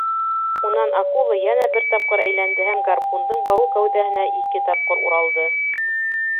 Унан акула йәнә бер тапҡыр әйләнде һәм гарпундың бауы кәүҙәһенә ике тапҡыр уралды.